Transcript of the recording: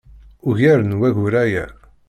Ugar n wayyur aya.